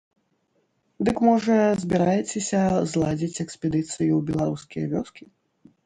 Дык можа збіраецеся зладзіць экспедыцыю ў беларускія вёскі?